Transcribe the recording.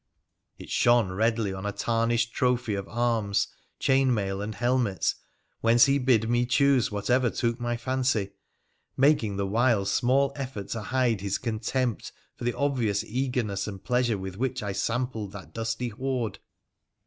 It shone redly on a tarnished trophy of arms, chain mail, and helmets, whence he bid me choose whatever took my fancy, making the while small effort to hide his contempt for the obvious eagerness and pleasure with which I sampled that dusty hoard.